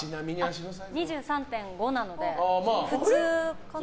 ２３．５なので普通かな。